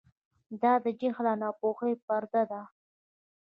دا د جهل او ناپوهۍ پرده ده.